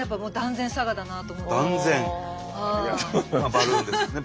バルーンですよね。